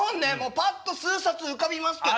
パッと数冊浮かびますけども。